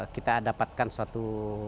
kita dapatkan suatu